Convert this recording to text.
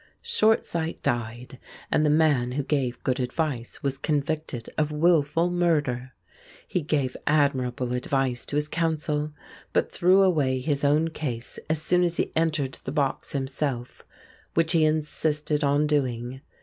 Short Sight died, and the man who gave good advice was convicted of wilful murder. He gave admirable advice to his counsel, but threw away his own case as soon as he entered the box himself, which he insisted on doing.